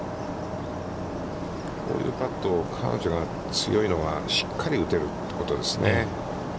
こういうパットを彼女が強いのは、しっかり打てるってことですね。